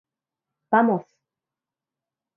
ばもす。